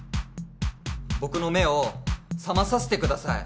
僕の目を覚まさせてください。